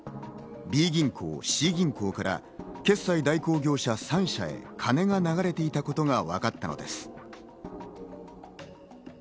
Ｂ銀行、Ｃ銀行から決済代行業者３社へ金が流れていたことがわかったのです。